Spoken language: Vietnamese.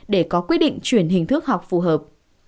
để có quyết định chuyển hình thức học phù hợp